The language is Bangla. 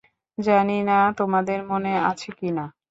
জানি না তোমাদের মনে আছে কিনা।